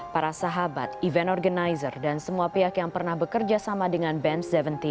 para sahabat event organizer dan semua pihak yang pernah bekerja sama dengan band tujuh belas